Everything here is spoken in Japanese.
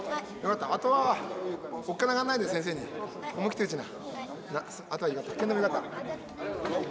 あとはおっかながらないで先生に思い切って打ちな。